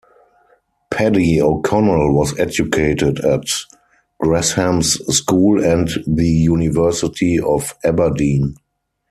Paddy O'Connell was educated at Gresham's School and the University of Aberdeen.